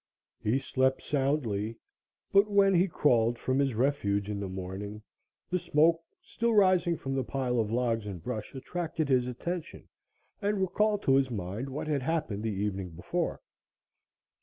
He slept soundly, but when he crawled from his refuge in the morning, the smoke still rising from the pile of logs and brush attracted his attention and recalled to his mind what had occurred the evening before.